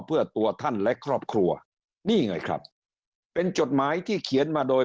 เพื่อตัวท่านและครอบครัวนี่ไงครับเป็นจดหมายที่เขียนมาโดย